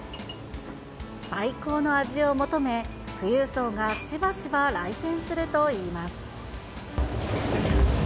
最高の味を求め、富裕層がしばしば来店するといいます。